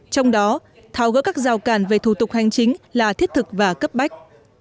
trong đó tháo gỡ các rào cản về thủ tục hành chính là thiết thực và cấp bách